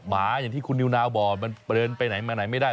หมาอย่างที่คุณนิวนาวบอกมันเปลือนไปไหนมาไหนไม่ได้